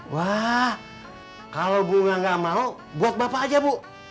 wah kalau bunga tidak mau buat bapak saja bu